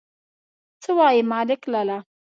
_څه وايي، ملک لالا؟